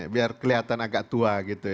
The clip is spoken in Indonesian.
biar kelihatan agak tua gitu